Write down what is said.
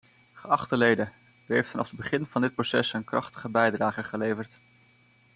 Geachte leden, u hebt vanaf het begin van dit proces een krachtige bijdrage geleverd.